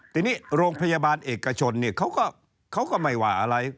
ทีนี้โรงพยาบาลเอกชนเนี่ยเขาก็ไม่ว่าอะไร